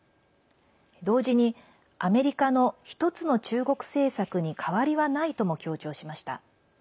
同時にアメリカの１つの中国政策に変わりはないとも強調しました。